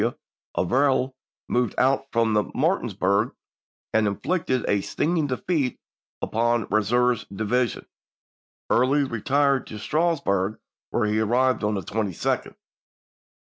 W. Averill, moved out from Mar tinsburg and inflicted a stinging defeat upon Eam seur's division ; Early retired to Strasburg, where he arrived on the 22d.